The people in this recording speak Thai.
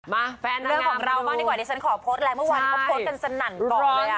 มาแฟนน้ำน้ำเรื่องของเรามันดีกว่านี้ฉันขอโพสต์แล้วเมื่อวานเขาโพสต์กันสนั่นก่อนเลยอ่ะ